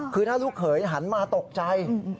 คือถ้าลูกเขยหันมาตกใจ